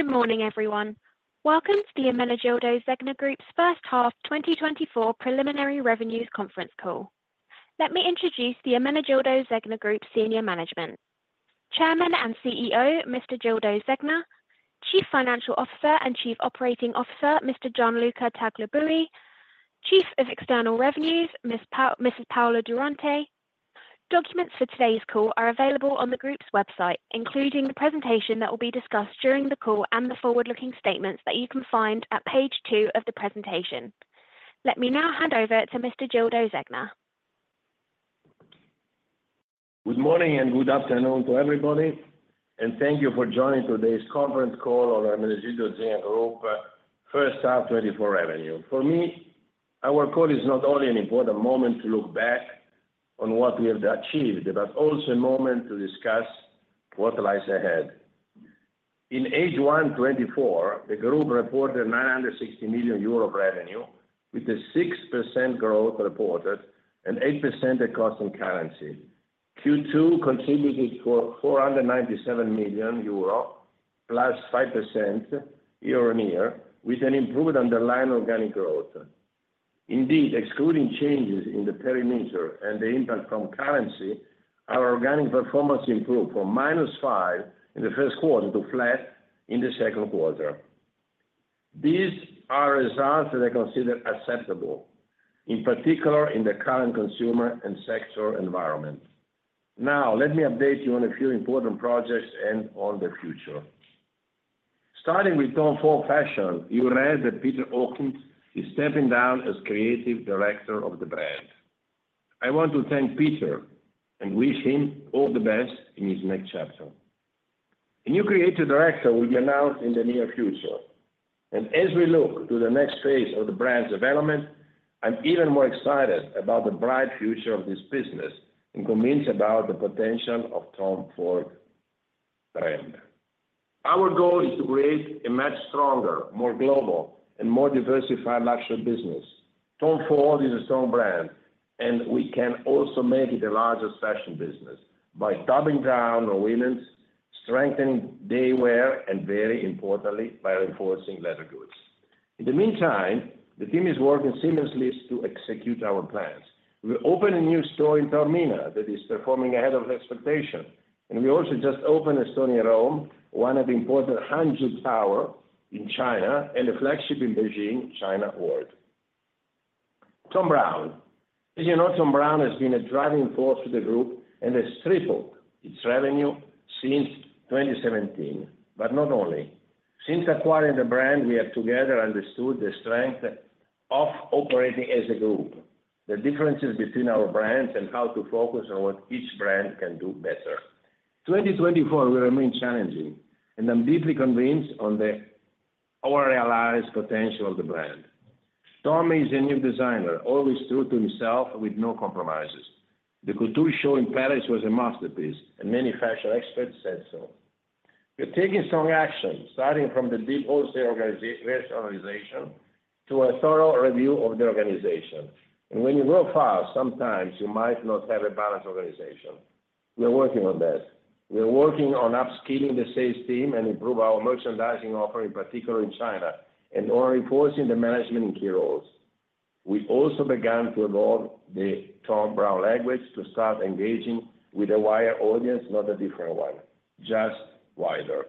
Good morning, everyone. Welcome to the Ermenegildo Zegna Group's first half 2024 preliminary revenues conference call. Let me introduce the Ermenegildo Zegna Group senior management: Chairman and CEO, Mr. Gildo Zegna; Chief Financial Officer and Chief Operating Officer, Mr. Gianluca Tagliabue; Chief of External Relations, Mrs. Paola Durante. Documents for today's call are available on the group's website, including the presentation that will be discussed during the call and the forward-looking statements that you can find at page two of the presentation. Let me now hand over to Mr. Gildo Zegna. Good morning and good afternoon to everybody, and thank you for joining today's conference call on Ermenegildo Zegna Group first half 2024 revenue. For me, our call is not only an important moment to look back on what we have achieved, but also a moment to discuss what lies ahead. In H1 2024, the group reported 960 million euro revenue, with a 6% growth reported and 8% across in currency. Q2 contributed for 497 million euro, +5% year-on-year, with an improved underlying organic growth. Indeed, excluding changes in the perimeter and the impact from currency, our organic performance improved from -5% in the first quarter to flat in the second quarter. These are results that I consider acceptable, in particular in the current consumer and sector environment. Now, let me update you on a few important projects and on the future. Starting with Tom Ford Fashion, you read that Peter Hawkings is stepping down as creative director of the brand. I want to thank Peter and wish him all the best in his next chapter. A new creative director will be announced in the near future, and as we look to the next phase of the brand's development, I'm even more excited about the bright future of this business and convinced about the potential of Tom Ford brand. Our goal is to create a much stronger, more global, and more diversified luxury business. Tom Ford is a strong brand, and we can also make it a larger fashion business by doubling down on women, strengthening day wear, and very importantly, by enforcing leather goods. In the meantime, the team is working seamlessly to execute our plans. We're opening a new store in Taormina that is performing ahead of expectation, and we also just opened a store in Rome, one of the important Hangzhou Tower in China and a flagship in Beijing China World. Thom Browne, as you know, Thom Browne has been a driving force for the group and has tripled its revenue since 2017, but not only. Since acquiring the brand, we have together understood the strength of operating as a group, the differences between our brands, and how to focus on what each brand can do better. 2024 will remain challenging, and I'm deeply convinced of the unrealized potential of the brand. Thom is a new designer, always true to himself with no compromises. The couture show in Paris was a masterpiece, and many fashion experts said so. We're taking strong action, starting from the deep holistic organization to a thorough review of the organization. When you go fast, sometimes you might not have a balanced organization. We're working on that. We're working on upskilling the sales team and improving our merchandising offer, in particular in China, and on enforcing the management and key roles. We also began to evolve the Thom Browne language to start engaging with a wider audience, not a different one, just wider.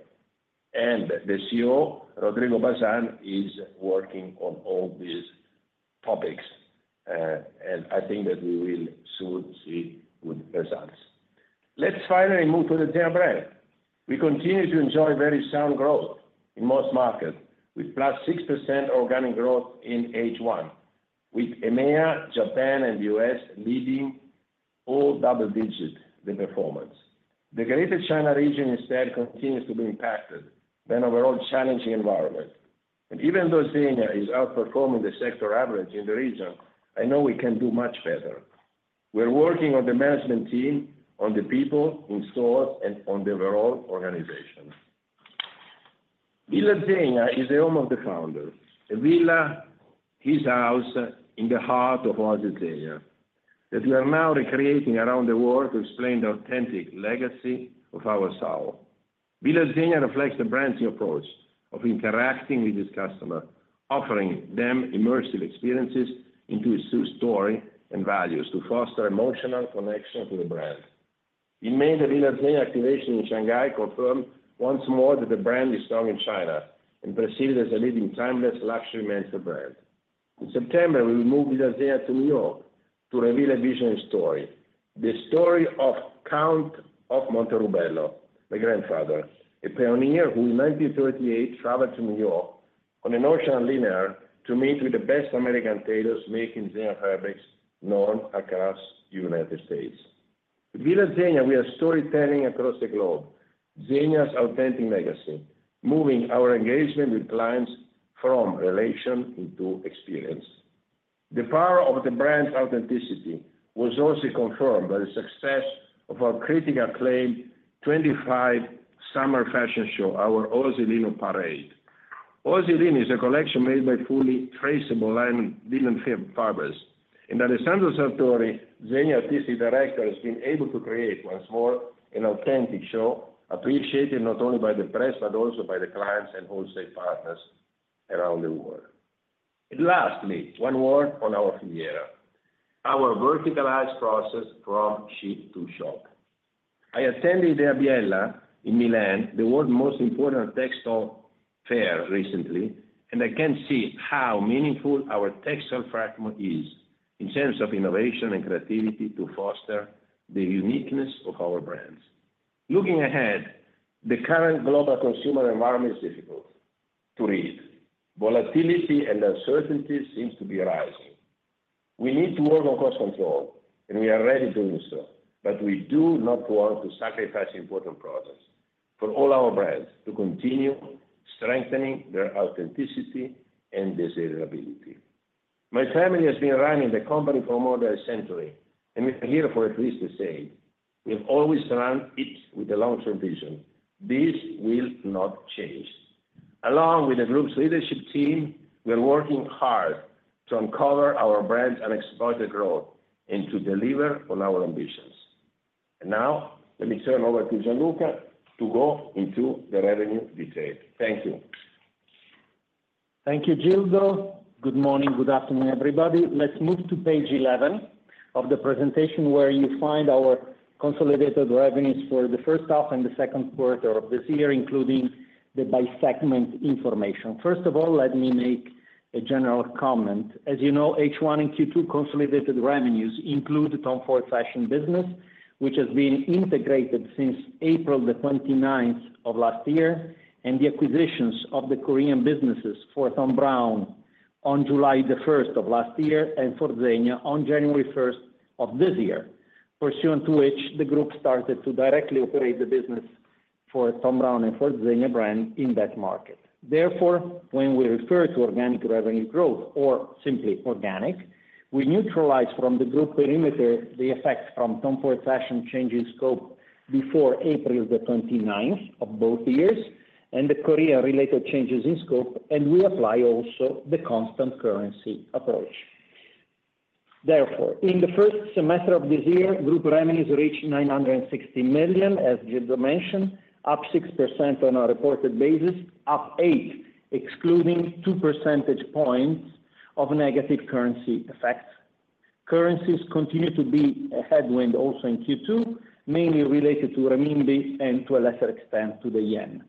The CEO, Rodrigo Bazan, is working on all these topics, and I think that we will soon see good results. Let's finally move to the Zegna brand. We continue to enjoy very sound growth in most markets, with +6% organic growth in H1, with EMEA, Japan, and the US leading all double-digit the performance. The Greater China region instead continues to be impacted by an overall challenging environment. Even though Zegna is outperforming the sector average in the region, I know we can do much better. We're working on the management team, on the people in stores, and on the overall organization. Villa Zegna is the home of the founders, a villa, his house in the heart of Oasi Zegna, that we are now recreating around the world to explain the authentic legacy of our soul. Villa Zegna reflects the brand's approach of interacting with its customers, offering them immersive experiences into its story and values to foster emotional connection to the brand. In May, the Villa Zegna activation in Shanghai confirmed once more that the brand is strong in China and perceived as a leading timeless luxury menswear brand. In September, we will move Villa Zegna to New York to reveal a vision and story, the story of Ermenegildo di Monte Rubello, the grandfather, a pioneer who in 1938 traveled to New York on an ocean liner to meet with the best American tailors making Zegna fabrics known across the United States. Villa Zegna will have storytelling across the globe, Zegna's authentic legacy, moving our engagement with clients from relation into experience. The power of the brand's authenticity was also confirmed by the success of our critically acclaimed 25 summer fashion show, our Oasi Lino Parade. Oasi Lino is a collection made by fully traceable linen fabrics, and Alessandro Sartori, Zegna Artistic Director, has been able to create once more an authentic show appreciated not only by the press but also by the clients and wholesale partners around the world. Lastly, one word on our Filiera, our verticalized process from ship to shop. I attended the Ideabiella in Milan, the world's most important textile fair recently, and I can see how meaningful our textile fragment is in terms of innovation and creativity to foster the uniqueness of our brands. Looking ahead, the current global consumer environment is difficult to read. Volatility and uncertainty seem to be rising. We need to work on cost control, and we are ready to do so, but we do not want to sacrifice important products for all our brands to continue strengthening their authenticity and desirability. My family has been running the company for more than a century, and we are here for at least to say. We have always run it with a long-term vision. This will not change. Along with the group's leadership team, we are working hard to uncover our brands and exploit the growth and to deliver on our ambitions. Now, let me turn over to Gianluca to go into the revenue detail. Thank you. Thank you, Gildo. Good morning, good afternoon, everybody. Let's move to page 11 of the presentation where you find our consolidated revenues for the first half and the second quarter of this year, including the by-segment information. First of all, let me make a general comment. As you know, H1 and Q2 consolidated revenues include the Tom Ford Fashion business, which has been integrated since April the 29th of last year, and the acquisitions of the Korean businesses for Thom Browne on July the 1st of last year and for Zegna on January 1st of this year, pursuant to which the group started to directly operate the business for Thom Browne and for Zegna brand in that market. Therefore, when we refer to organic revenue growth, or simply organic, we neutralize from the group perimeter the effect from Tom Ford Fashion changing scope before April 29th of both years and the Korean-related changes in scope, and we apply also the constant currency approach. Therefore, in the first semester of this year, group revenues reached 960 million, as Gildo mentioned, up 6% on a reported basis, up 8%, excluding 2% points of negative currency effects. Currencies continue to be a headwind also in Q2, mainly related to renminbi and to a lesser extent to the yen.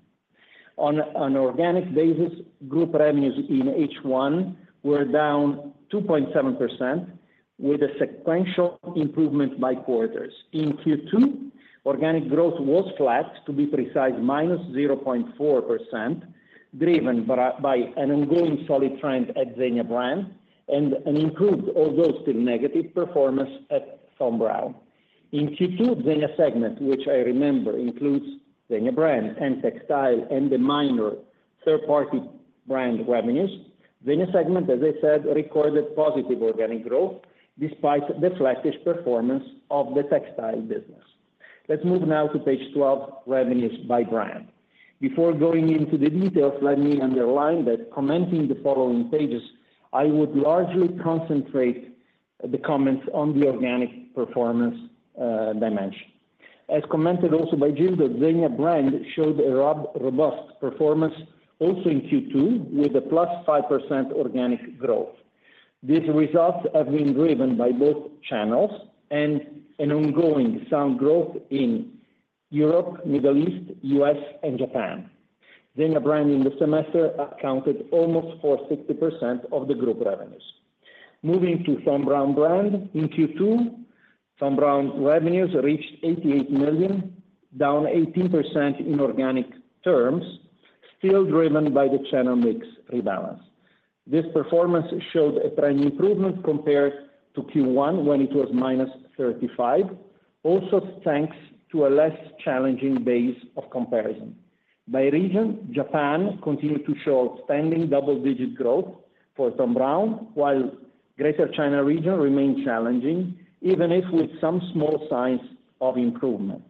On an organic basis, group revenues in H1 were down 2.7%, with a sequential improvement by quarters. In Q2, organic growth was flat, to be precise minus 0.4%, driven by an ongoing solid trend at Zegna brand and an improved, although still negative, performance at Thom Browne. In Q2, Zegna segment, which I remember includes Zegna brand and textile and the minor third-party brand revenues, Zegna segment, as I said, recorded positive organic growth despite the flattish performance of the textile business. Let's move now to page 12, revenues by brand. Before going into the details, let me underline that commenting the following pages, I would largely concentrate the comments on the organic performance dimension. As commented also by Gildo, Zegna brand showed a robust performance also in Q2 with a +5% organic growth. These results have been driven by both channels and an ongoing sound growth in Europe, the Middle East, the US, and Japan. Zegna brand in the semester accounted for almost 60% of the group revenues. Moving to Thom Browne brand, in Q2, Thom Browne revenues reached 88 million, down -18% in organic terms, still driven by the channel mix rebalance. This performance showed a trend improvement compared to Q1 when it was -35%, also thanks to a less challenging base of comparison. By region, Japan continued to show outstanding double-digit% growth for Thom Browne, while Greater China Region remained challenging, even if with some small signs of improvement.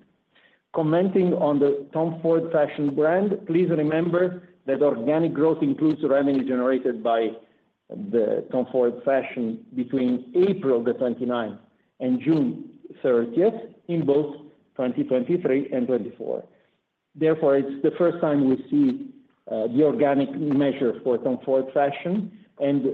Commenting on the Tom Ford Fashion brand, please remember that organic growth includes revenue generated by the Tom Ford Fashion between April the 29th and June 30th in both 2023 and 2024. Therefore, it's the first time we see the organic measure for Tom Ford Fashion, and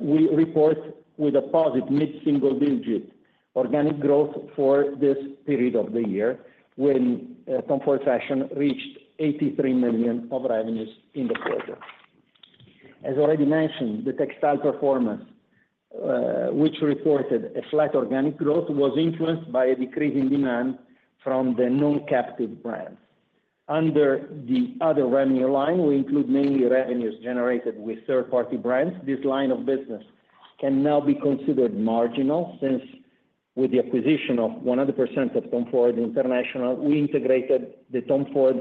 we report with a positive mid-single-digit% organic growth for this period of the year when Tom Ford Fashion reached 83 million of revenues in the quarter. As already mentioned, the textile performance, which reported a flat organic growth, was influenced by a decrease in demand from the non-captive brands. Under the other revenue line, we include mainly revenues generated with third-party brands. This line of business can now be considered marginal since, with the acquisition of 100% of Tom Ford International, we integrated the Tom Ford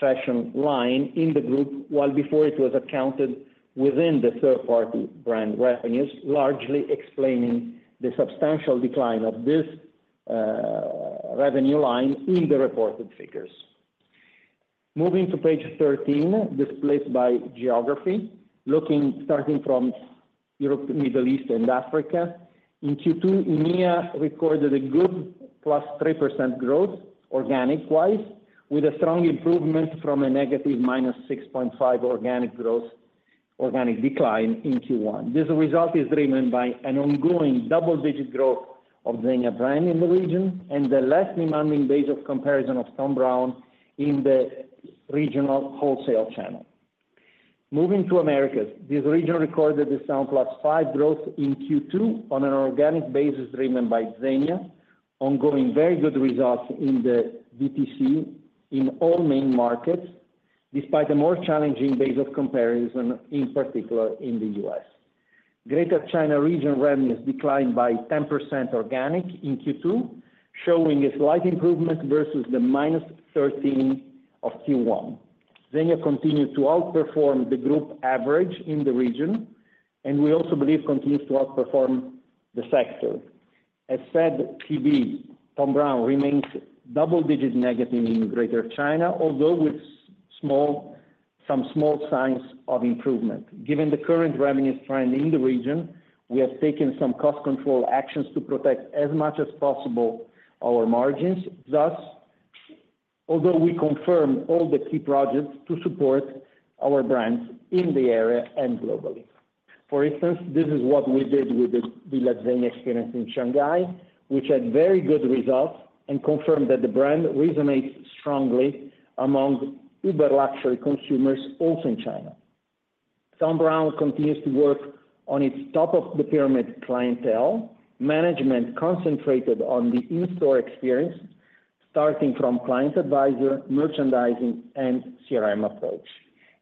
Fashion line in the group, while before it was accounted within the third-party brand revenues, largely explaining the substantial decline of this revenue line in the reported figures. Moving to page 13, displayed by geography, looking starting from Europe, the Middle East, and Africa, in Q2, EMEA recorded a good +3% growth organic-wise, with a strong improvement from a negative -6.5% organic growth organic decline in Q1. This result is driven by an ongoing double-digit growth of Zegna brand in the region and the less demanding base of comparison of Thom Browne in the regional wholesale channel. Moving to the Americas, this region recorded solid +5% growth in Q2 on an organic basis driven by Zegna, ongoing very good results in the DTC in all main markets, despite a more challenging base of comparison, in particular in the U.S. Greater China region revenues declined by 10% organic in Q2, showing a slight improvement versus the -13% of Q1. Zegna continued to outperform the group average in the region, and we also believe continues to outperform the sector. As said, Thom Browne remains double-digit negative in Greater China, although with some small signs of improvement. Given the current revenues trend in the region, we have taken some cost control actions to protect as much as possible our margins, thus, although we confirmed all the key projects to support our brands in the area and globally. For instance, this is what we did with the Villa Zegna experience in Shanghai, which had very good results and confirmed that the brand resonates strongly among ultra luxury consumers also in China. Thom Browne continues to work on its top of the pyramid clientele, management concentrated on the in-store experience, starting from client advisor, merchandising, and CRM approach.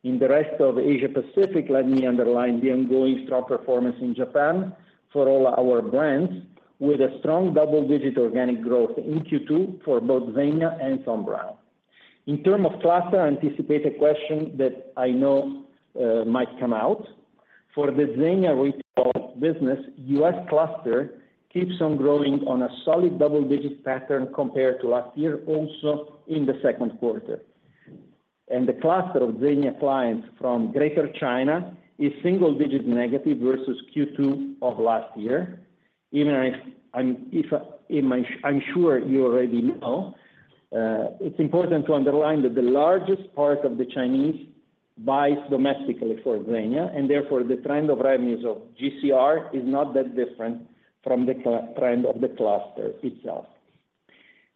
In the rest of Asia Pacific, let me underline the ongoing strong performance in Japan for all our brands, with a strong double-digit organic growth in Q2 for both Zegna and Thom Browne. In terms of cluster, anticipate a question that I know might come out. For the Zegna retail business, U.S. cluster keeps on growing on a solid double-digit pattern compared to last year, also in the second quarter. The cluster of Zegna clients from Greater China is single-digit negative versus Q2 of last year. Even if I'm sure you already know, it's important to underline that the largest part of the Chinese buys domestically for Zegna, and therefore the trend of revenues of GCR is not that different from the trend of the cluster itself.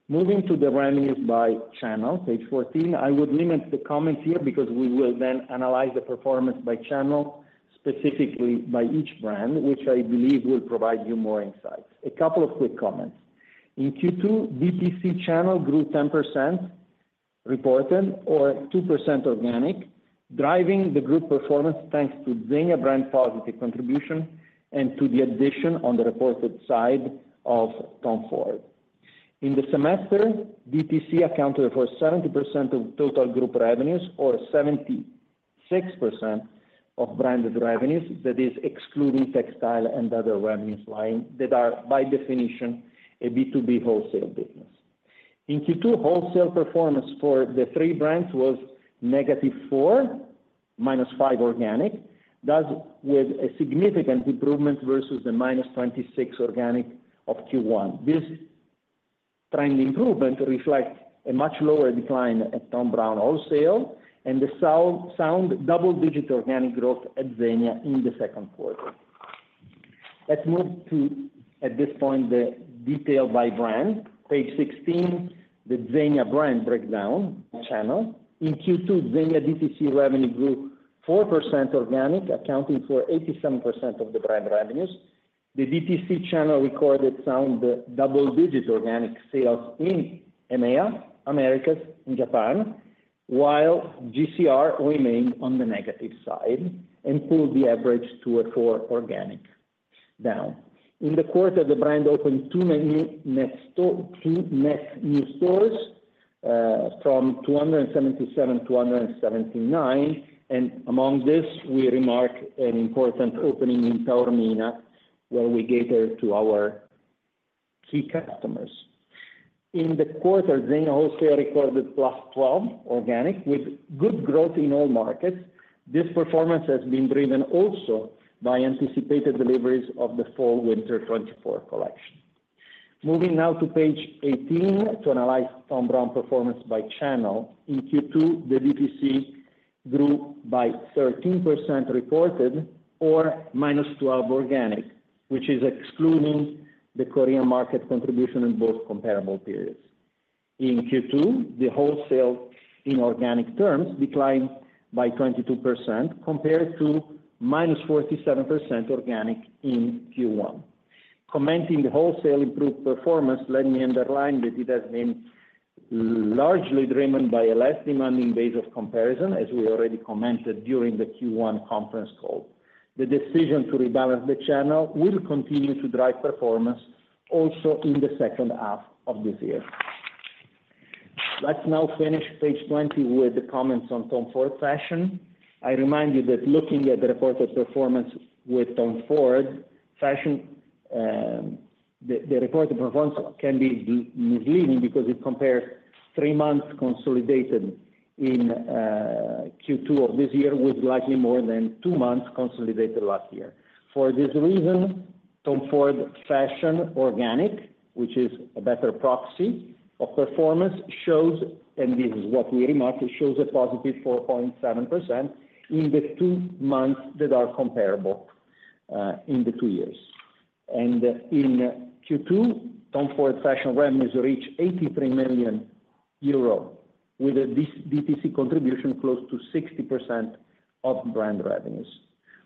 Moving to the revenues by channel, page 14, I would limit the comments here because we will then analyze the performance by channel, specifically by each brand, which I believe will provide you more insight. A couple of quick comments. In Q2, DTC channel grew 10% reported or 2% organic, driving the group performance thanks to Zegna brand positive contribution and to the addition on the reported side of Tom Ford. In the semester, DTC accounted for 70% of total group revenues or 76% of branded revenues, that is, excluding textile and other revenues line that are by definition a B2B wholesale business. In Q2, wholesale performance for the three brands was -4%, -5% organic, thus with a significant improvement versus the -26% organic of Q1. This trend improvement reflects a much lower decline at Thom Browne wholesale and the sound double-digit organic growth at Zegna in the second quarter. Let's move to, at this point, the detail by brand. Page 16, the Zegna brand breakdown channel. In Q2, Zegna DTC revenue grew 4% organic, accounting for 87% of the brand revenues. The DTC channel recorded sound double-digit organic sales in EMEA, Americas, and Japan, while GCR remained on the negative side and pulled the average 2% or 4% organic down. In the quarter, the brand opened 2 net new stores from 277 to 279, and among this, we remark an important opening in Taormina, where we catered to our key customers. In the quarter, Zegna wholesale recorded +12% organic with good growth in all markets. This performance has been driven also by anticipated deliveries of the Fall/Winter 2024 collection. Moving now to page 18 to analyze Thom Browne performance by channel. In Q2, the DTC grew by 13% reported or -12% organic, which is excluding the Korean market contribution in both comparable periods. In Q2, the wholesale in organic terms declined by 22% compared to -47% organic in Q1. Commenting the wholesale improved performance, let me underline that it has been largely driven by a less demanding base of comparison, as we already commented during the Q1 conference call. The decision to rebalance the channel will continue to drive performance also in the second half of this year. Let's now finish page 20 with the comments on Tom Ford Fashion. I remind you that looking at the reported performance with Tom Ford Fashion, the reported performance can be misleading because it compares 3 months consolidated in Q2 of this year with likely more than two months consolidated last year. For this reason, Tom Ford Fashion organic, which is a better proxy of performance, shows, and this is what we remarked, it shows a positive 4.7% in the two months that are comparable in the two years. In Q2, Tom Ford Fashion revenues reached 83 million euro with a DTC contribution close to 60% of brand revenues.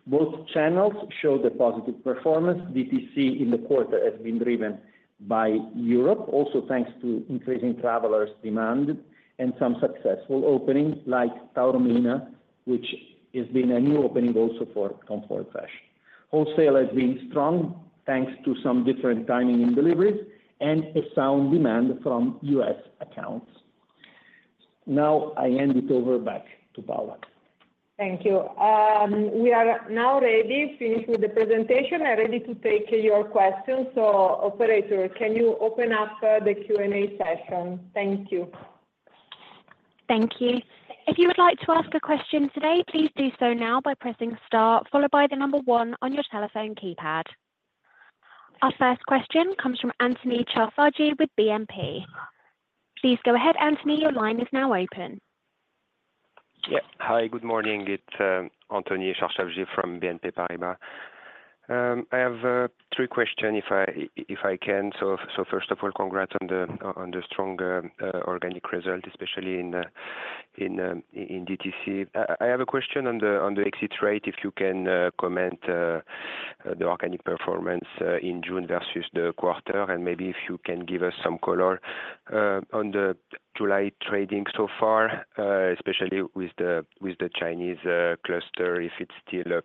Both channels show the positive performance. DTC in the quarter has been driven by Europe, also thanks to increasing travelers' demand and some successful openings like Taormina, which has been a new opening also for Tom Ford Fashion. Wholesale has been strong thanks to some different timing in deliveries and a sound demand from US accounts. Now I hand it over back to Paola. Thank you. We are now ready. Finished with the presentation. I'm ready to take your questions. So, operator, can you open up the Q&A session? Thank you. Thank you. If you would like to ask a question today, please do so now by pressing star, followed by the number one on your telephone keypad. Our first question comes from Anthony Charchafji with BNP. Please go ahead, Anthony. Your line is now open. Yep. Hi, good morning. It's Anthony Charchafji from BNP Paribas. I have three questions, if I can. So first of all, congrats on the strong organic result, especially in DTC. I have a question on the exit rate. If you can comment on the organic performance in June versus the quarter, and maybe if you can give us some color on the July trading so far, especially with the Chinese cluster, if it's still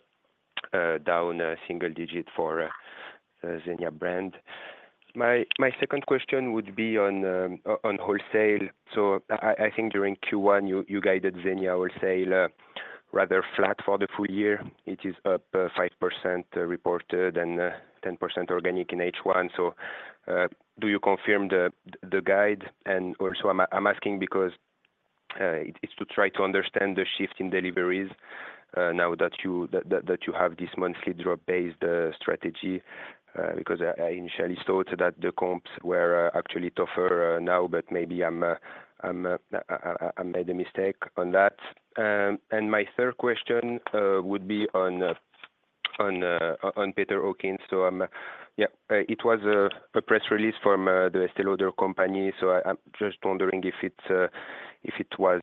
down a single digit for Zegna brand? My second question would be on wholesale. So I think during Q1, you guided Zegna wholesale rather flat for the full year. It is up 5% reported and 10% organic in H1. So do you confirm the guide? And also, I'm asking because it's to try to understand the shift in deliveries now that you have this monthly drop-based strategy, because I initially thought that the comps were actually tougher now, but maybe I made a mistake on that. And my third question would be on Peter Hawkings. So yeah, it was a press release from the Estée Lauder company. So I'm just wondering if it was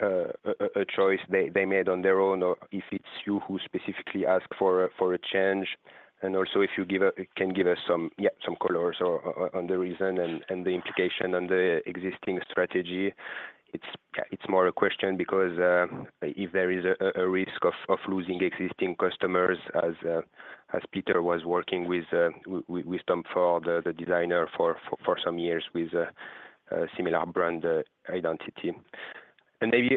a choice they made on their own or if it's you who specifically asked for a change. And also, if you can give us some colors on the reason and the implication on the existing strategy. It's more a question because if there is a risk of losing existing customers, as Peter was working with Tom Ford, the designer for some years with a similar brand identity. And maybe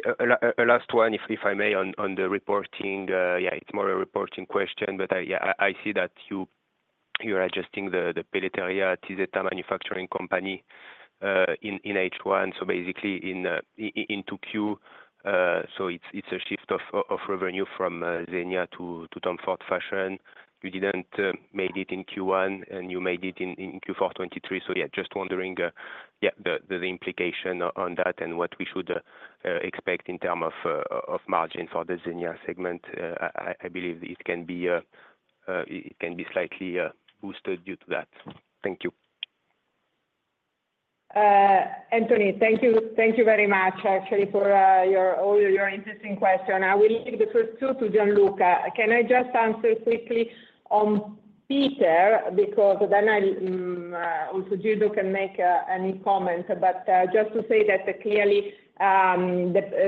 a last one, if I may, on the reporting. Yeah, it's more a reporting question, but I see that you're adjusting the Pelletteria Tizeta manufacturing company in H1, so basically into Q. So it's a shift of revenue from Zegna to Tom Ford Fashion. You didn't make it in Q1, and you made it in Q4 2023. So yeah, just wondering, yeah, the implication on that and what we should expect in terms of margin for the Zegna segment. I believe it can be slightly boosted due to that. Thank you. Anthony, thank you very much, actually, for all your interesting questions. I will leave the first two to Gianluca. Can I just answer quickly on Peter? Because then also Gildo can make any comment. But just to say that clearly,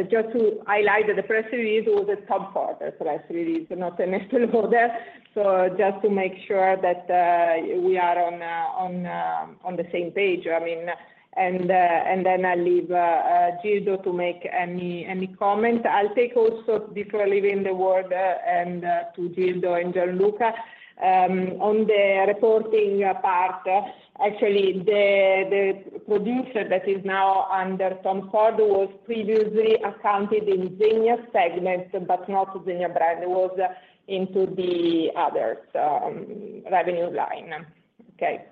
just to highlight that the press release was a Tom Ford press release, not an Estée Lauder. So just to make sure that we are on the same page, I mean. And then I'll leave Gildo to make any comment. I'll take also before leaving the word to Gildo and Gianluca on the reporting part. Actually, the producer that is now under Tom Ford was previously accounted in Zegna segment, but not Zegna brand. It was into the other revenue line. Okay.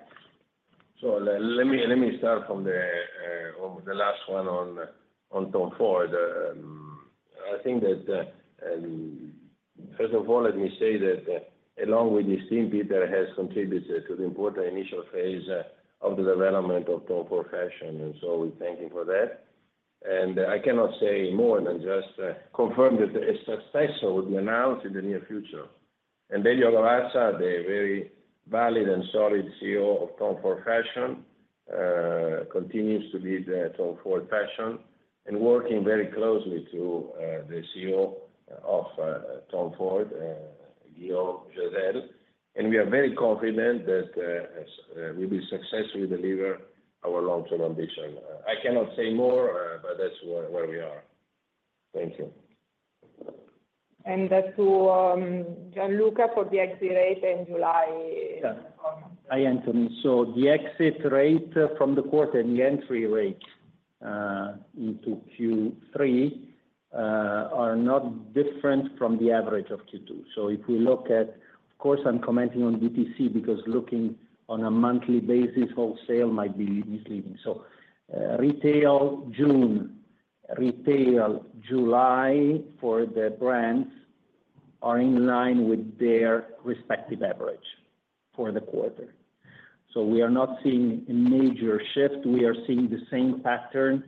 So let me start from the last one on Tom Ford. I think that first of all, let me say that along with this team, Peter has contributed to the important initial phase of the development of Tom Ford Fashion. And so we thank him for that. And I cannot say more than just confirm that a successor will be announced in the near future. And Lelio Gavazza, the very valid and solid CEO of Tom Ford Fashion, continues to lead Tom Ford Fashion and working very closely to the CEO of Tom Ford, Guillaume Jesel. And we are very confident that we will successfully deliver our long-term ambition. I cannot say more, but that's where we are. Thank you. And that's to Gianluca for the exit rate in July. Hi, Anthony. So the exit rate from the quarter and the entry rate into Q3 are not different from the average of Q2. So if we look at, of course, I'm commenting on DTC because looking on a monthly basis, wholesale might be misleading. So retail June, retail July for the brands are in line with their respective average for the quarter. So we are not seeing a major shift. We are seeing the same pattern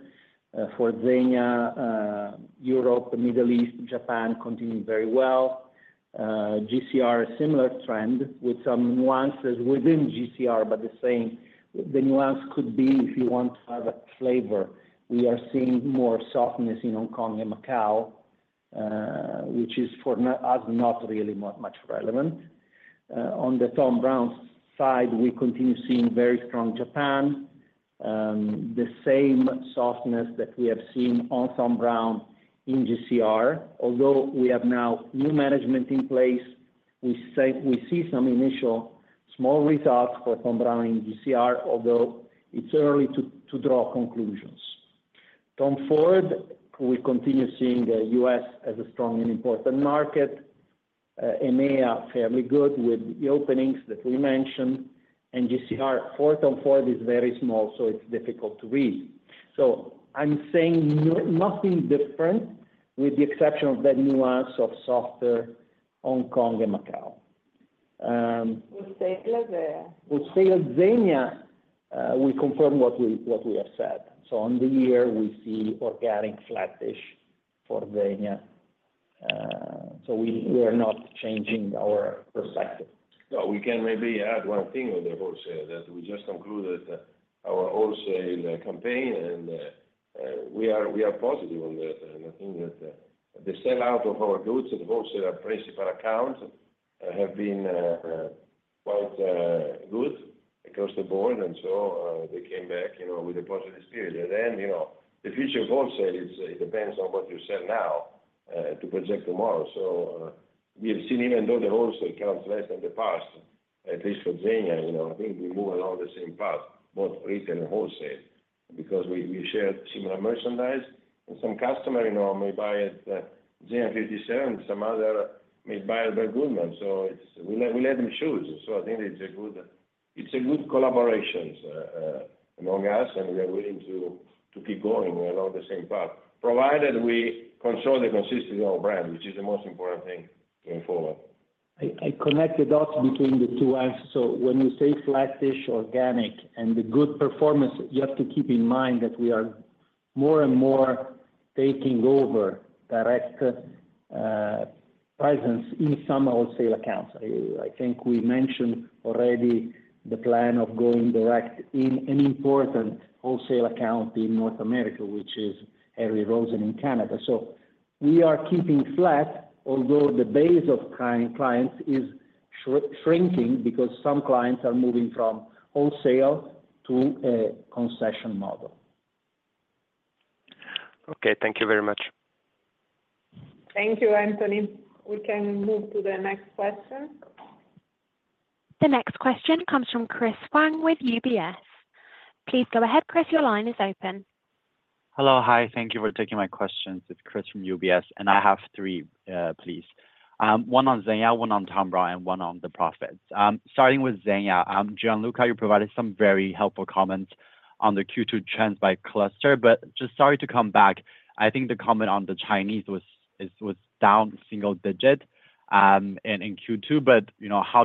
for Zegna, Europe, Middle East, Japan continuing very well. GCR, a similar trend with some nuances within GCR, but the nuance could be, if you want to have a flavor, we are seeing more softness in Hong Kong and Macau, which is for us not really much relevant. On the Thom Browne side, we continue seeing very strong Japan, the same softness that we have seen on Thom Browne in GCR. Although we have now new management in place, we see some initial small results for Thom Browne in GCR, although it's early to draw conclusions. Tom Ford, we continue seeing the US as a strong and important market. EMEA, fairly good with the openings that we mentioned. And GCR for Tom Ford is very small, so it's difficult to read. So I'm saying nothing different with the exception of that nuance of softer Hong Kong and Macau. Estée Lauder. Estée Lauder, Zegna. We confirm what we have said. So on the year, we see organic flatish for Zegna. So we are not changing our perspective. So we can maybe add one thing on the wholesale that we just concluded our wholesale campaign, and we are positive on that. And I think that the sellout of our goods at the wholesale principal account has been quite good across the board. And so they came back with a positive spirit. And then the future of wholesale, it depends on what you sell now to project tomorrow. So we have seen, even though the wholesale amount is less than the past, at least for Zegna, I think we move along the same path, both retail and wholesale, because we share similar merchandise. And some customers may buy at Zegna 57, some others may buy at Bergdorf Goodman. So we let them choose. So I think it's a good collaboration among us, and we are willing to keep going along the same path, provided we consolidate consistently our brand, which is the most important thing going forward. I connect the dots between the two ones. So when you say flatish organic and the good performance, you have to keep in mind that we are more and more taking over direct presence in some wholesale accounts. I think we mentioned already the plan of going direct in an important wholesale account in North America, which is Harry Rosen in Canada. So we are keeping flat, although the base of clients is shrinking because some clients are moving from wholesale to a concession model. Okay. Thank you very much. Thank you, Anthony. We can move to the next question. The next question comes from Chris Huang with UBS. Please go ahead. Chris, your line is open. Hello. Hi. Thank you for taking my questions. It's Chris from UBS, and I have three, please. One on Zegna, one on Thom Browne, and one on the profits. Starting with Zegna, Gianluca, you provided some very helpful comments on the Q2 trends by cluster, but just sorry to come back. I think the comment on the Chinese was down a single digit in Q2, but how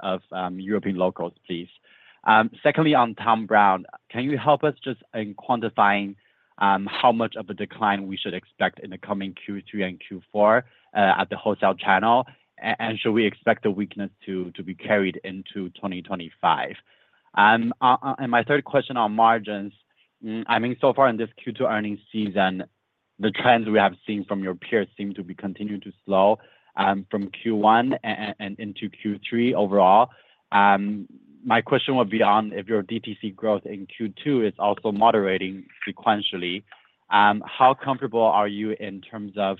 about European locales, please. Secondly, on Thom Browne, can you help us just in quantifying how much of a decline we should expect in the coming Q3 and Q4 at the wholesale channel? And should we expect the weakness to be carried into 2025? And my third question on margins, I mean, so far in this Q2 earnings season, the trends we have seen from your peers seem to be continuing to slow from Q1 and into Q3 overall. My question would be on if your DTC growth in Q2 is also moderating sequentially. How comfortable are you in terms of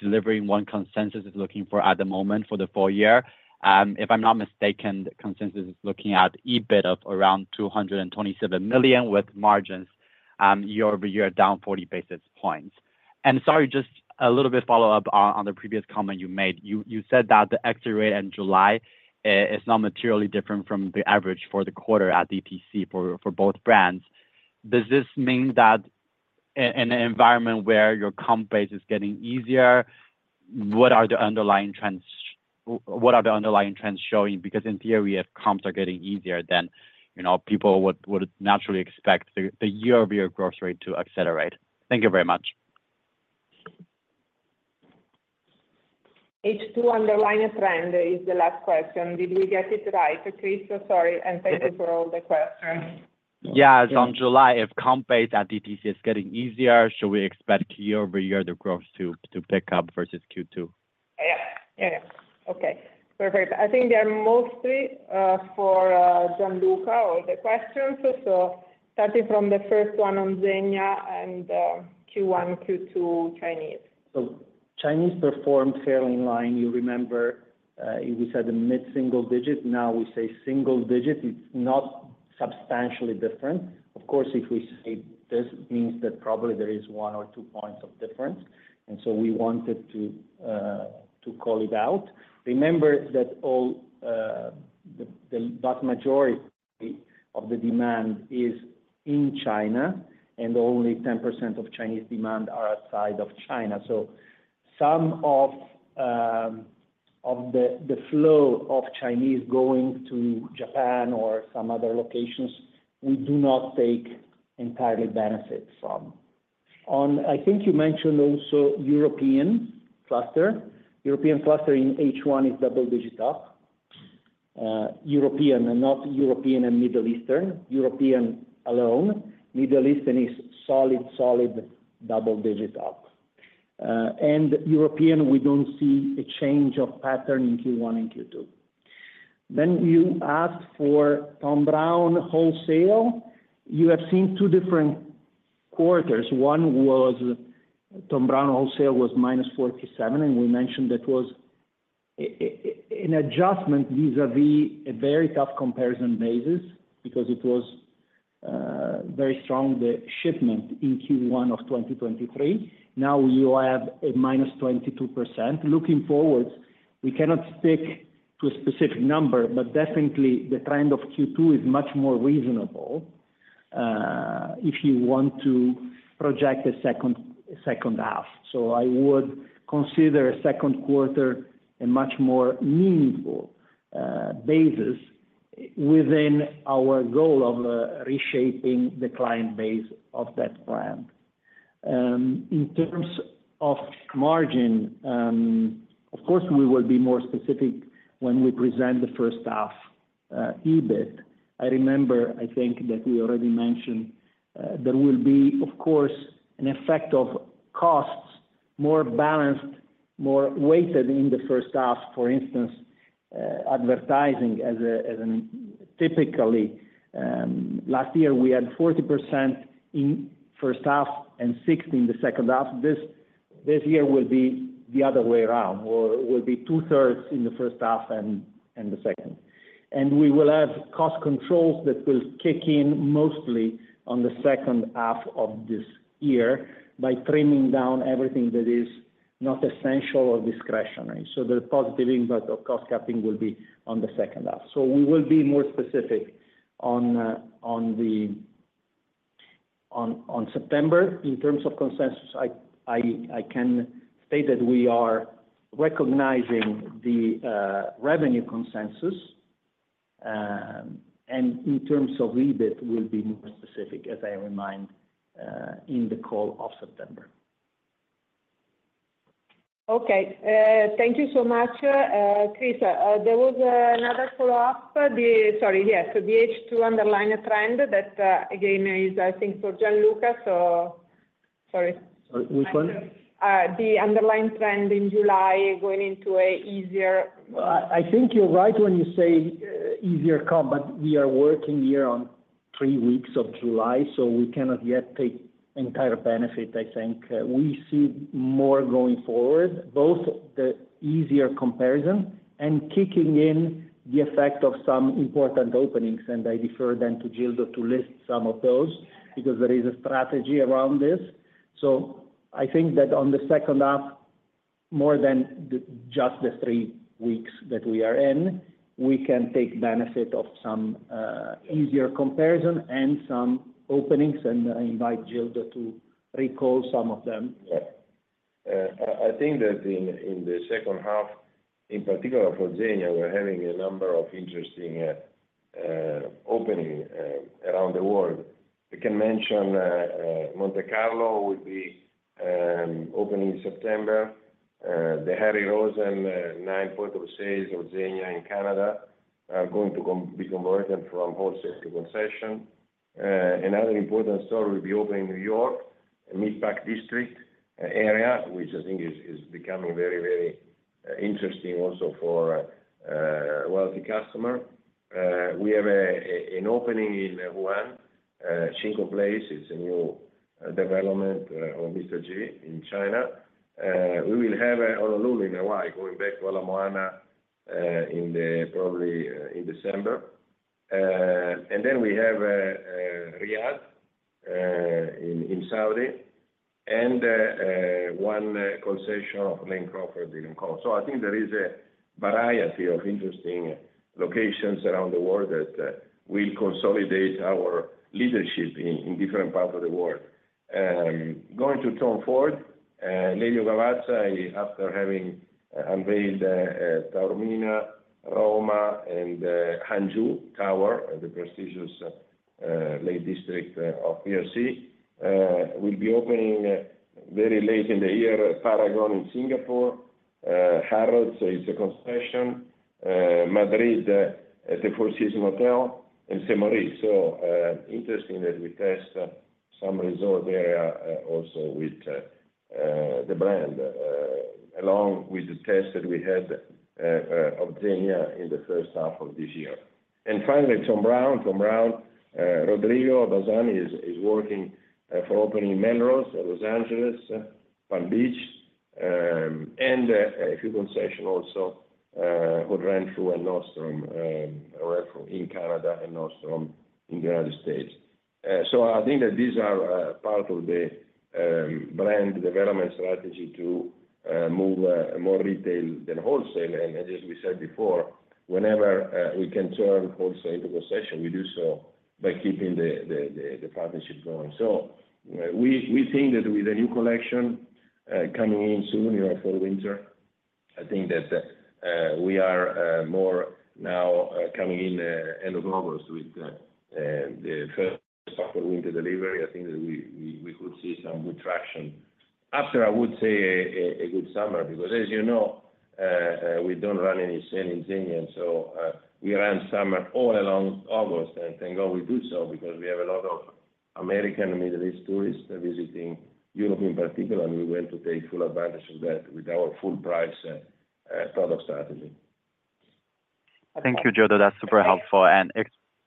delivering the consensus is looking for at the moment for the full year? If I'm not mistaken, the consensus is looking at EBIT of around 227 million with margins year-over-year down 40 basis points. And sorry, just a little bit follow-up on the previous comment you made. You said that the exit rate in July is not materially different from the average for the quarter at DTC for both brands. Does this mean that in an environment where your comp base is getting easier, what are the underlying trends? What are the underlying trends showing? Because in theory, if comps are getting easier, then people would naturally expect the year-over-year growth rate to accelerate. Thank you very much. It's to underline a trend is the last question. Did we get it right, Chris? Sorry. And thank you for all the questions. Yeah. It's on July. If comp base at DTC is getting easier, should we expect year-over-year the growth to pick up versus Q2? Yeah. Yeah. Yeah. Okay. Perfect. I think they're mostly for Gianluca, all the questions. So starting from the first one on Zegna and Q1, Q2, Chinese. So Chinese performed fairly in line. You remember we said the mid-single digit. Now we say single digit. It's not substantially different. Of course, if we say this means that probably there is one or two points of difference. And so we wanted to call it out. Remember that the vast majority of the demand is in China, and only 10% of Chinese demand are outside of China. So some of the flow of Chinese going to Japan or some other locations, we do not take entirely benefit from. I think you mentioned also European cluster. European cluster in H1 is double-digit up. European and not European and Middle Eastern. European alone. Middle Eastern is solid, solid double-digit up. European, we don't see a change of pattern in Q1 and Q2. Then you asked for Thom Browne wholesale. You have seen two different quarters. One was Thom Browne wholesale was -47%, and we mentioned that was an adjustment vis-à-vis a very tough comparison basis because it was very strong the shipment in Q1 of 2023. Now we have a -22%. Looking forward, we cannot stick to a specific number, but definitely the trend of Q2 is much more reasonable if you want to project a second half. So I would consider a second quarter a much more meaningful basis within our goal of reshaping the client base of that brand. In terms of margin, of course, we will be more specific when we present the first half EBIT. I remember, I think, that we already mentioned there will be, of course, an effect of costs more balanced, more weighted in the first half. For instance, advertising as a typically last year, we had 40% in first half and 60% in the second half. This year will be the other way around. It will be two-thirds in the first half and the second. We will have cost controls that will kick in mostly on the second half of this year by trimming down everything that is not essential or discretionary. The positive impact of cost cutting will be on the second half. We will be more specific on September. In terms of consensus, I can state that we are recognizing the revenue consensus. And in terms of EBIT, we'll be more specific, as I remind, in the call of September. Okay. Thank you so much, Chris. There was another follow-up. Sorry. Yes. The H2 underline a trend that, again, is, I think, for Gianluca. So sorry. Which one? The underlying trend in July going into an easier. I think you're right when you say easier comp, but we are working here on three weeks of July, so we cannot yet take entire benefit, I think. We see more going forward, both the easier comparison and kicking in the effect of some important openings. And I defer then to Gildo to list some of those because there is a strategy around this. So I think that on the second half, more than just the three weeks that we are in, we can take benefit of some easier comparison and some openings, and I invite Gildo to recall some of them. Yeah. I think that in the second half, in particular for Zegna, we're having a number of interesting openings around the world. I can mention Monte Carlo will be opening in September. The Harry Rosen stores of Zegna in Canada are going to be converted from wholesale to concession. Another important store will be open in New York, a Meatpacking District area, which I think is becoming very, very interesting also for wealthy customers. We have an opening in Wuhan SKP. It's a new development of Mr. Ji in China. We will have Honolulu in Hawaii going back to Ala Moana probably in December. And then we have Riyadh in Saudi and one concession of Lane Crawford in Hong Kong. So I think there is a variety of interesting locations around the world that will consolidate our leadership in different parts of the world. Going to Tom Ford, Lelio Gavazza, after having unveiled Taormina, Roma, and Hangzhou Tower, the prestigious Lake District of PRC, will be opening very late in the year. Paragon in Singapore, Harrods, it's a concession. Madrid, the Four Seasons Hotel, and St. Moritz. So interesting that we test some resort area also with the brand, along with the test that we had of Zegna in the first half of this year. And finally, Thom Browne, Thom Browne, Rodrigo Bazan is working for opening Melrose in Los Angeles, Palm Beach, and a few concessions also Holt Renfrew and Nordstrom in Canada and Nordstrom in the United States. So I think that these are part of the brand development strategy to move more retail than wholesale. And as we said before, whenever we can turn wholesale into concession, we do so by keeping the partnership going. So we think that with a new collection coming in soon, for winter, I think that we are more now coming in end of August with the first part of winter delivery. I think that we could see some good traction after, I would say, a good summer because, as you know, we don't run any sale in Zegna. So we ran summer all along August, and thank God we do so because we have a lot of American and Middle East tourists visiting Europe in particular, and we went to take full advantage of that with our full-price product strategy. Thank you, Gildo. That's super helpful.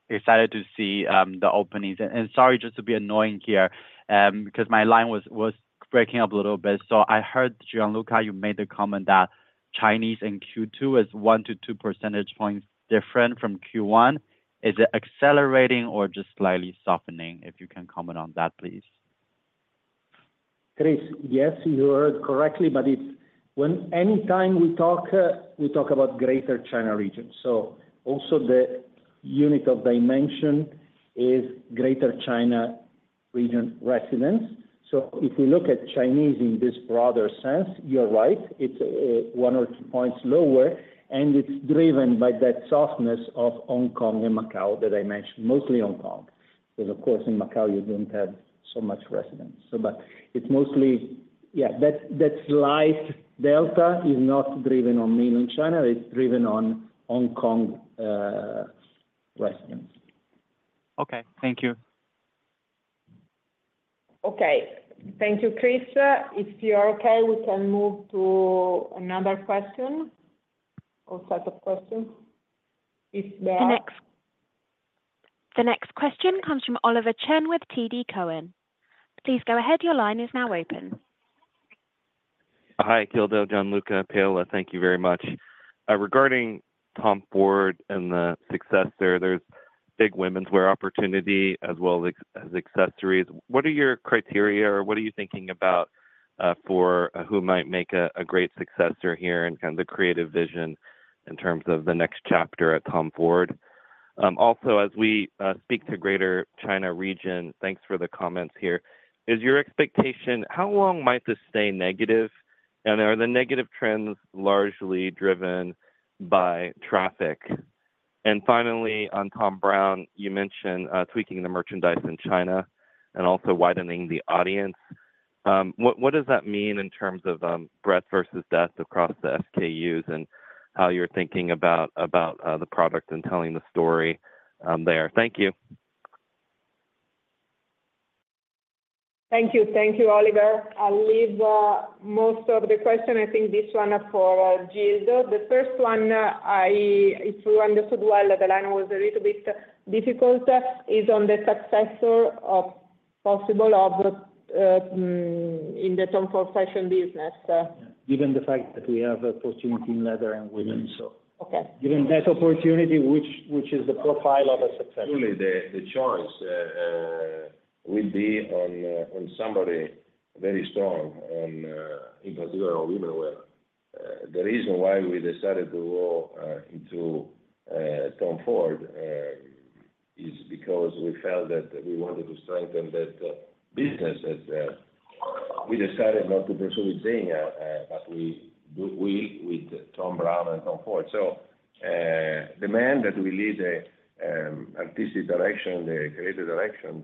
Excited to see the openings. Sorry just to be annoying here because my line was breaking up a little bit. So I heard, Gianluca, you made the comment that Chinese in Q2 is 1%-2% points different from Q1. Is it accelerating or just slightly softening? If you can comment on that, please. Chris, yes, you heard correctly, but anytime we talk, we talk about Greater China Region. So also the unit of dimension is Greater China Region residents. So if we look at Chinese in this broader sense, you're right. It's one or two points lower, and it's driven by that softness of Hong Kong and Macau that I mentioned, mostly Hong Kong. Because, of course, in Macau, you don't have so much residents. But it's mostly, yeah, that slight delta is not driven on mainland China. It's driven on Hong Kong residents. Okay. Thank you. Okay. Thank you, Chris. If you're okay, we can move to another question or set of questions. If there are. The next question comes from Oliver Chen with TD Cowen. Please go ahead. Your line is now open. Hi, Gildo, Gianluca, Paola. Thank you very much. Regarding Tom Ford and the successor, there's big women's wear opportunity as well as accessories. What are your criteria, or what are you thinking about for who might make a great successor here and kind of the creative vision in terms of the next chapter at Tom Ford? Also, as we speak to Greater China region, thanks for the comments here. Is your expectation how long might this stay negative? And are the negative trends largely driven by traffic? And finally, on Thom Browne, you mentioned tweaking the merchandise in China and also widening the audience. What does that mean in terms of breadth versus depth across the SKUs and how you're thinking about the product and telling the story there? Thank you. Thank you. Thank you, Oliver. I'll leave most of the questions. I think this one for Gildo. The first one, if we understood well, the line was a little bit difficult, is on the successor possible in the Tom Ford fashion business. Given the fact that we have opportunity in leather and women's, so. Given that opportunity, which is the profile of a successor. Surely, the choice will be on somebody very strong in particular women's wear. The reason why we decided to go into Tom Ford is because we felt that we wanted to strengthen that business. We decided not to pursue with Zegna, but we will with Thom Browne and Tom Ford. So the man that will lead the artistic direction, the creative direction,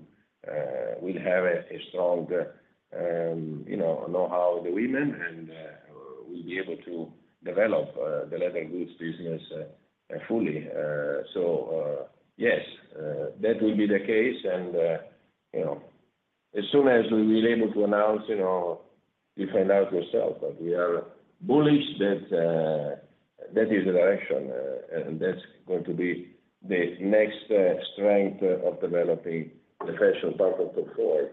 will have a strong know-how of the women and will be able to develop the leather goods business fully. So yes, that will be the case. And as soon as we will be able to announce, you find out yourself that we are bullish that that is the direction, and that's going to be the next strength of developing the fashion part of Tom Ford,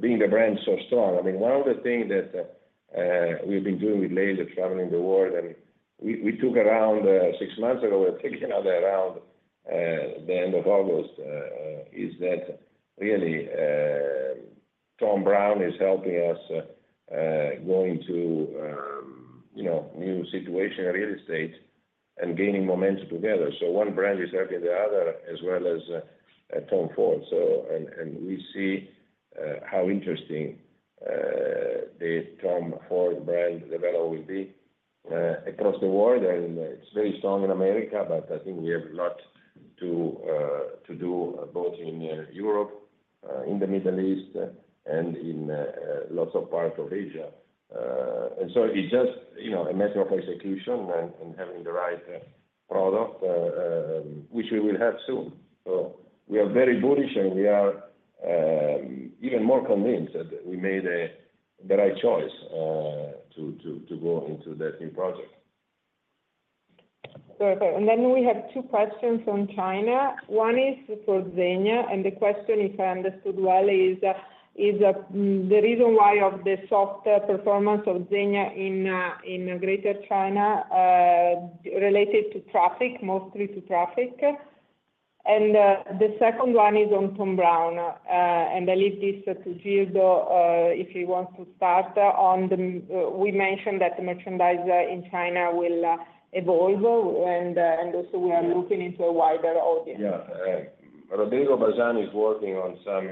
being a brand so strong. I mean, one of the things that we've been doing with Leo traveling the world, and we took around six months ago. We're taking another round at the end of August, is that really Thom Browne is helping us go into new situation real estate and gaining momentum together. So one brand is helping the other as well as Tom Ford. We see how interesting the Tom Ford brand development will be across the world. It's very strong in America, but I think we have a lot to do both in Europe, in the Middle East, and in lots of parts of Asia. It's just a matter of execution and having the right product, which we will have soon. We are very bullish, and we are even more convinced that we made the right choice to go into that new project. Then we have two questions on China. One is for Zegna, and the question, if I understood well, is the reason why of the soft performance of Zegna in Greater China related to traffic, mostly to traffic. The second one is on Thom Browne. I leave this to Gildo if he wants to start on the. We mentioned that the merchandise in China will evolve, and also we are looking into a wider audience. Yeah. Rodrigo Bazan is working on some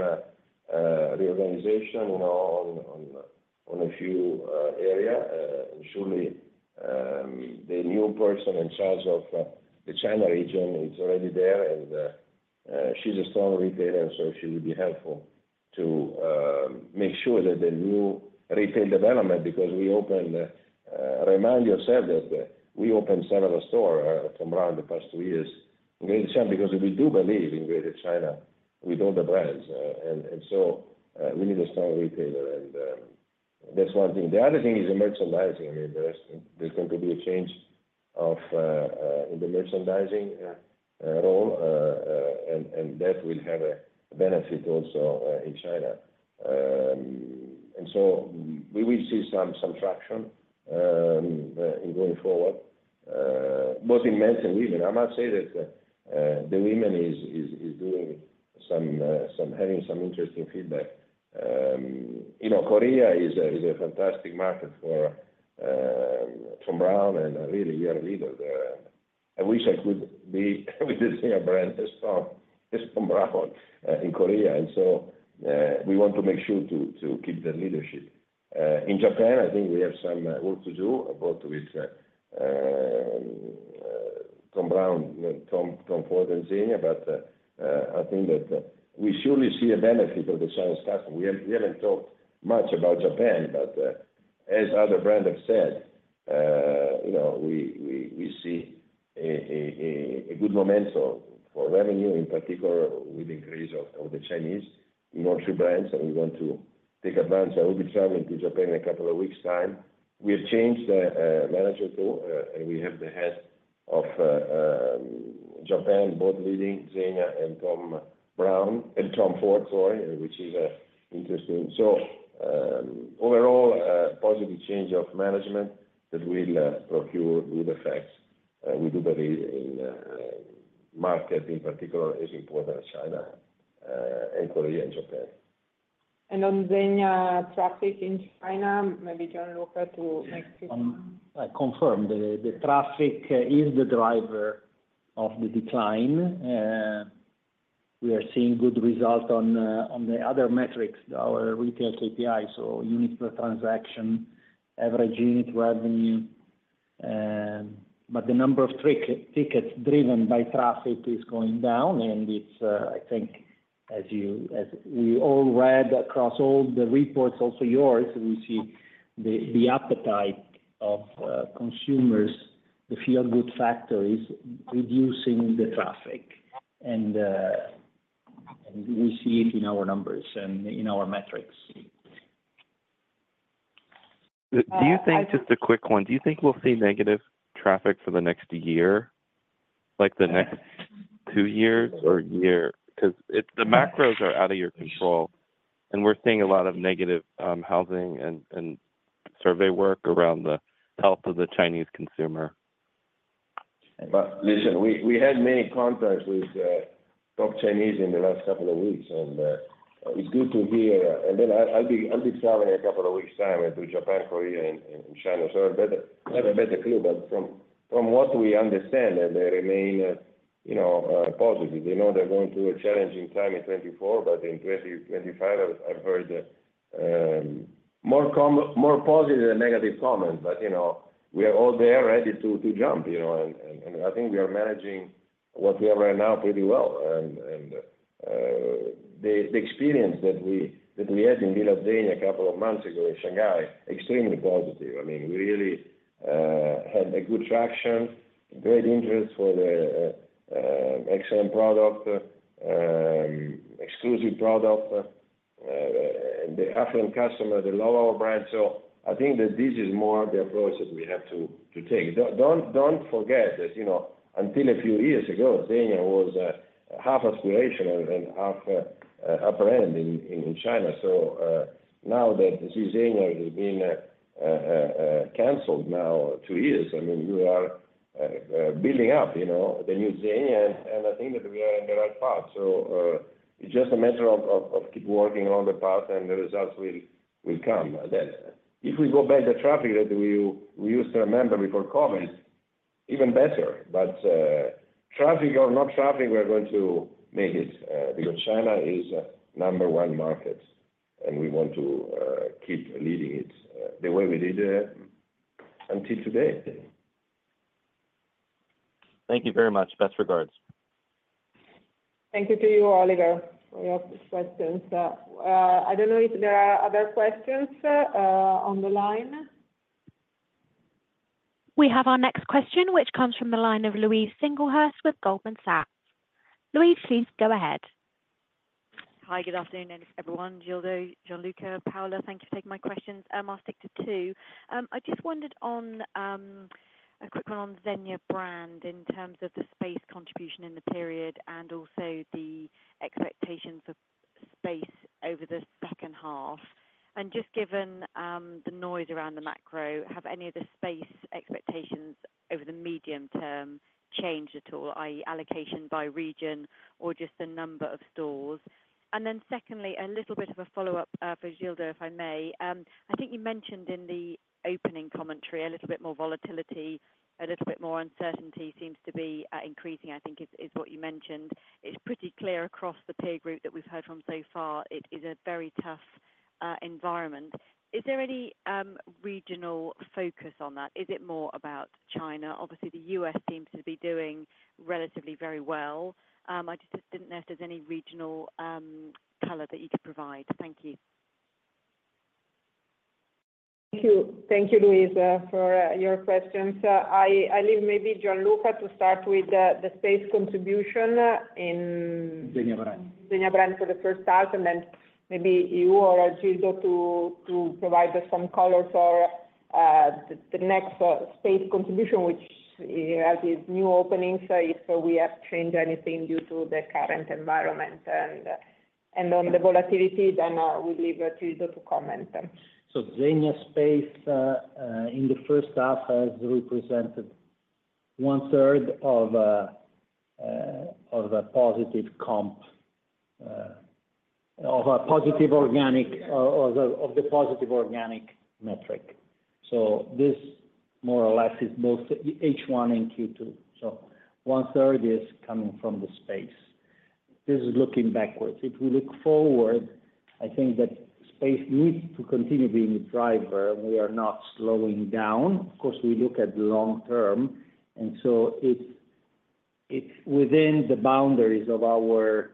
reorganization on a few areas. And surely, the new person in charge of the China region is already there, and she's a strong retailer, so she will be helpful to make sure that the new retail development because we opened. Remind yourself that we opened several stores from around the past two years in Greater China because we do believe in Greater China with all the brands. And so we need a strong retailer, and that's one thing. The other thing is the merchandising. I mean, there's going to be a change in the merchandising role, and that will have a benefit also in China. And so we will see some traction going forward, both in men's and women. I must say that the women are having some interesting feedback. Korea is a fantastic market for Thom Browne, and really, we are a leader there. I wish I could be with the Zegna brand as strong as Thom Browne in Korea. And so we want to make sure to keep the leadership. In Japan, I think we have some work to do both with Thom Browne, Tom Ford, and Zegna, but I think that we surely see a benefit of the Chinese customer. We haven't talked much about Japan, but as other brands have said, we see a good momentum for revenue, in particular with the increase of the Chinese luxury brands. And we want to take advantage. I will be traveling to Japan in a couple of weeks' time. We have changed the manager too, and we have the head of Japan, both leading Zegna and Thom Browne, and Tom Ford, sorry, which is interesting. So overall, positive change of management that will procure good effects with the market, in particular, as important as China and Korea and Japan. On Zegna traffic in China, maybe Gildo to make a few comments. I confirm the traffic is the driver of the decline. We are seeing good results on the other metrics, our retail KPIs, so unit per transaction, average unit revenue. But the number of tickets driven by traffic is going down, and I think, as we all read across all the reports, also yours, we see the appetite of consumers, the feel-good factories reducing the traffic. We see it in our numbers and in our metrics. Do you think just a quick one, do you think we'll see negative traffic for the next year, like the next two years or year? Because the macros are out of your control, and we're seeing a lot of negative housing and survey work around the health of the Chinese consumer. Listen, we had many contacts with top Chinese in the last couple of weeks, and it's good to hear. And then I'll be traveling a couple of weeks' time to Japan, Korea, and China. So I have a better clue. But from what we understand, they remain positive. They know they're going through a challenging time in 2024, but in 2025, I've heard more positive than negative comments. But we are all there ready to jump. And I think we are managing what we have right now pretty well. The experience that we had in Villa Zegna a couple of months ago in Shanghai, extremely positive. I mean, we really had good traction, great interest for the XM product, exclusive product. The affluent customer, they love our brand. So I think that this is more the approach that we have to take. Don't forget that until a few years ago, Zegna was half aspirational and half upper-end in China. So now that Zegna has been canceled now two years, I mean, we are building up the new Zegna, and I think that we are in the right path. So it's just a matter of keep working on the path, and the results will come. If we go back to the traffic that we used to remember before COVID, even better. But traffic or not traffic, we're going to make it because China is number one market, and we want to keep leading it the way we did until today. Thank you very much. Best regards. Thank you to you, Oliver, for your questions. I don't know if there are other questions on the line. We have our next question, which comes from the line of Louise Singlehurst with Goldman Sachs. Louise, please go ahead. Hi, good afternoon, everyone. Gildo, Gianluca, Paola, thank you for taking my questions. I'll stick to two. I just wondered on a quick one on Zegna brand in terms of the space contribution in the period and also the expectations of space over the second half. Just given the noise around the macro, have any of the space expectations over the medium term changed at all, i.e., allocation by region or just the number of stores? Then secondly, a little bit of a follow-up for Gildo, if I may. I think you mentioned in the opening commentary a little bit more volatility, a little bit more uncertainty seems to be increasing, I think is what you mentioned. It's pretty clear across the peer group that we've heard from so far. It is a very tough environment. Is there any regional focus on that? Is it more about China? Obviously, the US seems to be doing relatively very well. I just didn't know if there's any regional color that you could provide. Thank you. Thank you, Louise, for your questions. I leave maybe Gianluca to start with the space contribution in. Zegna brand. Zegna brand for the first half, and then maybe you or Gildo to provide some colors for the next space contribution, which is new openings if we have changed anything due to the current environment. On the volatility, then we'll leave Gildo to comment. So Zegna space in the first half has represented one-third of a positive comp, of a positive organic of the positive organic metric. So this more or less is both H1 and Q2. So one-third is coming from the space. This is looking backwards. If we look forward, I think that space needs to continue being the driver. We are not slowing down. Of course, we look at the long term, and so it's within the boundaries of our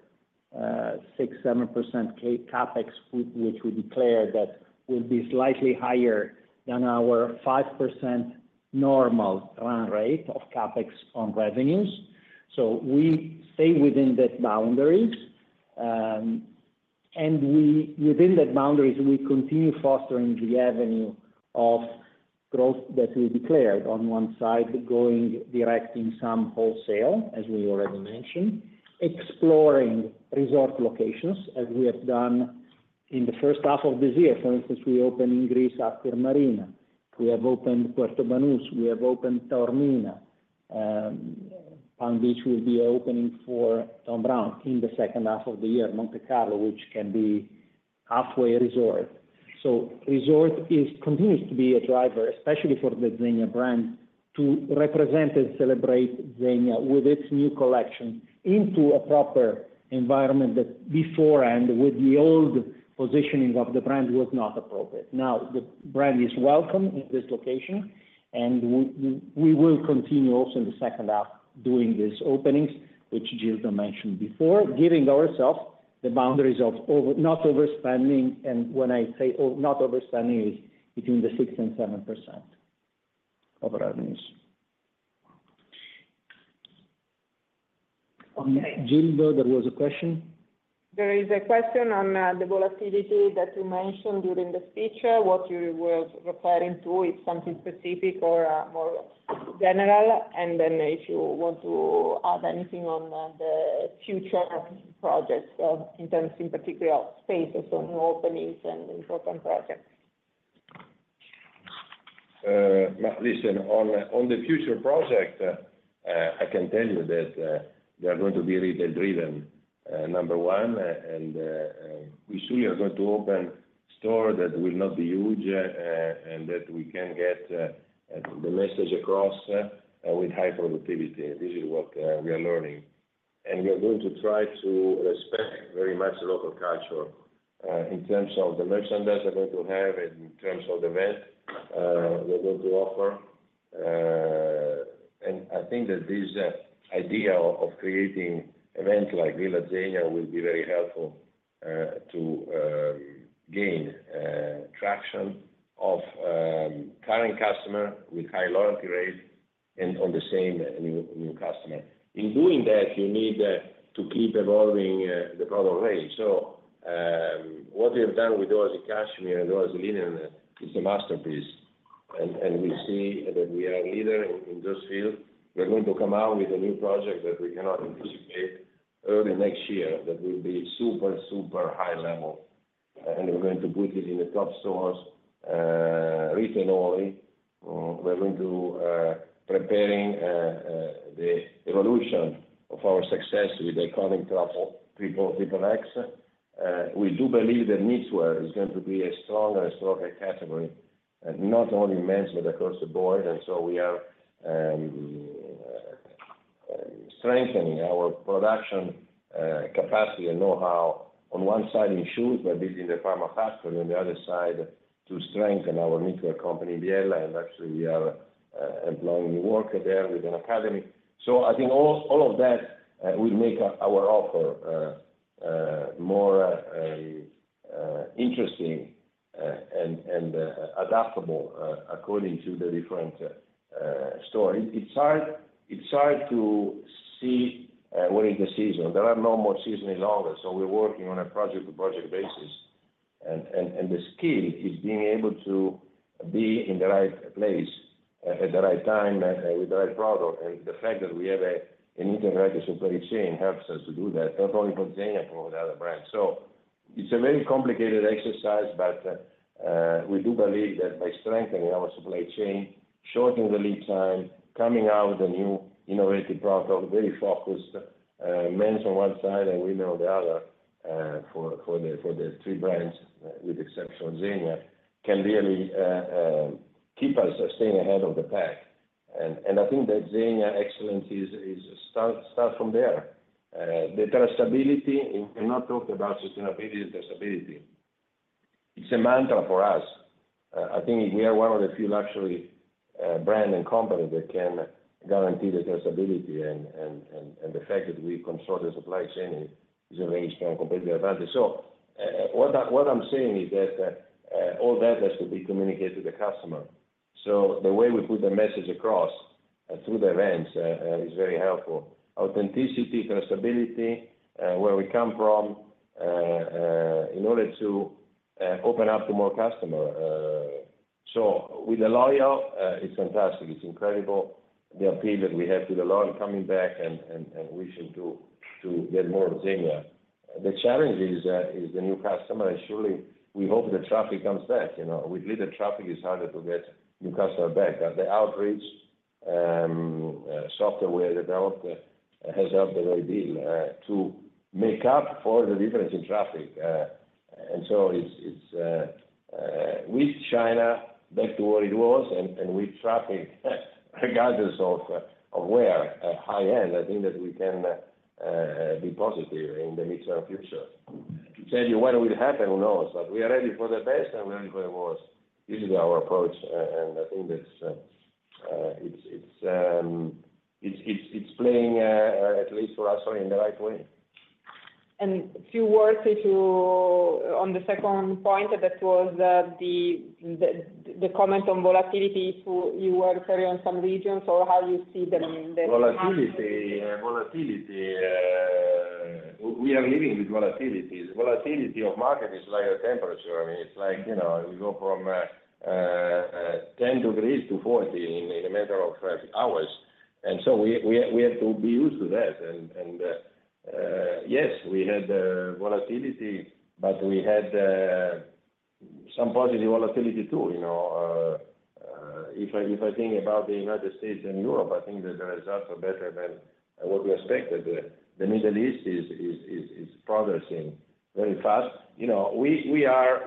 6%-7% CapEx, which we declare that will be slightly higher than our 5% normal run rate of CapEx on revenues. So we stay within that boundaries. And within that boundaries, we continue fostering the avenue of growth that we declared on one side, going direct in some wholesale, as we already mentioned, exploring resort locations as we have done in the first half of this year. For instance, we opened in Greece Astir Marina. We have opened Puerto Banús. We have opened Taormina. Palm Beach will be opening for Thom Browne in the second half of the year, Monte Carlo, which can be halfway resort. So resort continues to be a driver, especially for the Zegna brand, to represent and celebrate Zegna with its new collection into a proper environment that beforehand, with the old positioning of the brand, was not appropriate. Now, the brand is welcome in this location, and we will continue also in the second half doing these openings, which Gildo mentioned before, giving ourselves the boundaries of not overspending. When I say not overspending, it's between 6% and 7% of revenues. Gildo, there was a question. There is a question on the volatility that you mentioned during the speech, what you were referring to, if something specific or more general. Then if you want to add anything on the future projects in terms of particular spaces or new openings and important projects. Listen, on the future project, I can tell you that they are going to be retail-driven, number one. We surely are going to open stores that will not be huge and that we can get the message across with high productivity. This is what we are learning. We are going to try to respect very much local culture in terms of the merchandise we're going to have and in terms of the event we're going to offer. I think that this idea of creating events like Villa Zegna will be very helpful to gain traction of current customers with high loyalty rates and on the same new customer. In doing that, you need to keep evolving the product range. So what we have done with Oasi Cashmere and Oasi Lino is a masterpiece. We see that we are a leader in those fields. We're going to come out with a new project that we cannot anticipate early next year that will be super, super high level. We're going to put it in the top stores retail only. We're going to be preparing the evolution of our success with the Triple Stitch. We do believe that knitwear is going to be a stronger and stronger category, not only in men's but across the board. We are strengthening our production capacity and know-how on one side in shoes, but building the Parma factory on the other side to strengthen our knitwear company in Biella. Actually, we are employing new workers there with an academy. I think all of that will make our offer more interesting and adaptable according to the different stores. It's hard to see what is the season. There are no more seasons longer. We're working on a project-to-project basis. The skill is being able to be in the right place at the right time with the right product. The fact that we have an integrated supply chain helps us to do that, not only for Zegna but for the other brands. So it's a very complicated exercise, but we do believe that by strengthening our supply chain, shortening the lead time, coming out with a new innovative product, very focused, men's on one side and women on the other for the three brands with the exception of Zegna, can really keep us staying ahead of the pack. And I think that Zegna excellence starts from there. Traceability, we cannot talk about sustainability and traceability. It's a mantra for us. I think we are one of the few luxury brands and companies that can guarantee the traceability. And the fact that we control the supply chain is a very strong competitive advantage. So what I'm saying is that all that has to be communicated to the customer. So the way we put the message across through the events is very helpful. Authenticity, traceability, where we come from in order to open up to more customers. So with the loyal, it's fantastic. It's incredible the appeal that we have to the loyal coming back and wishing to get more of Zegna. The challenge is the new customer. And surely, we hope the traffic comes back. With little traffic, it's harder to get new customers back. But the outreach software we have developed has helped a great deal to make up for the difference in traffic. And so with China back to what it was and with traffic, regardless of where, high-end, I think that we can be positive in the midterm future. To tell you what will happen, who knows? But we are ready for the best, and we are ready for the worst. This is our approach. And I think that it's playing, at least for us, in the right way. A few words on the second point that was the comment on volatility. You were referring to some regions or how you see the volatility. We are living with volatility. The volatility of market is like a temperature. I mean, it's like we go from 10 degrees to 40 in a matter of hours. And so we have to be used to that. And yes, we had volatility, but we had some positive volatility too. If I think about the United States and Europe, I think that the results are better than what we expected. The Middle East is progressing very fast. We are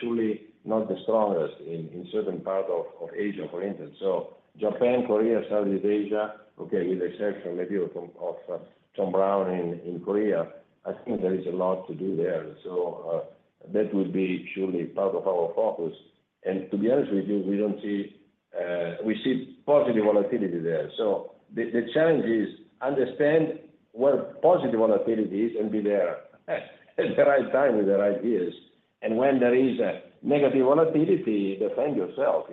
surely not the strongest in certain parts of Asia, for instance. So Japan, Korea, Southeast Asia, okay, with the exception maybe of Thom Browne in Korea, I think there is a lot to do there. So that would be surely part of our focus. To be honest with you, we see positive volatility there. The challenge is to understand where positive volatility is and be there at the right time with the right years. When there is negative volatility, defend yourself.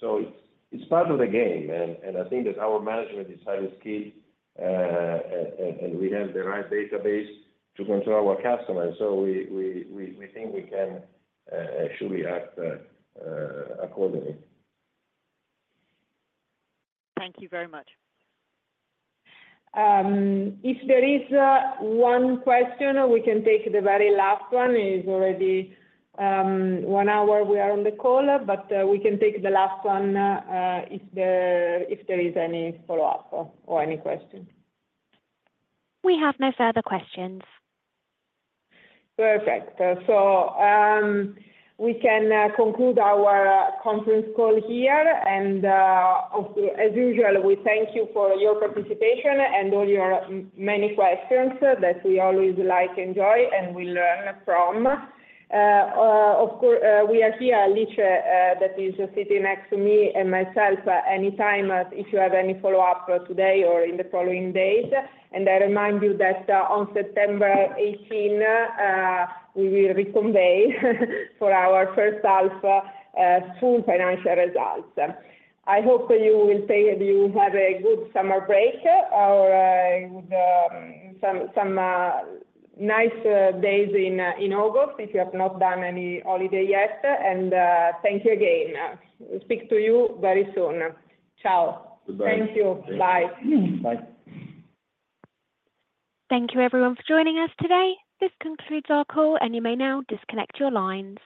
So it's part of the game. I think that our management is highly skilled, and we have the right database to control our customers. We think we can surely act accordingly. Thank you very much. If there is one question, we can take the very last one. It's already one hour we are on the call, but we can take the last one if there is any follow-up or any question. We have no further questions. Perfect. We can conclude our conference call here. As usual, we thank you for your participation and all your many questions that we always like and enjoy and will learn from. We are here, Alice, that is sitting next to me and myself anytime if you have any follow-up today or in the following days. I remind you that on September 18, we will reconvene for our first half full financial results. I hope you will have a good summer break or some nice days in August if you have not done any holiday yet. Thank you again. Speak to you very soon. Ciao. Goodbye. Thank you. Bye. Bye. Thank you, everyone, for joining us today. This concludes our call, and you may now disconnect your lines.